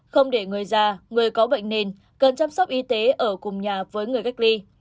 không để người già người có bệnh nền cần chăm sóc y tế ở cùng nhà với người cách ly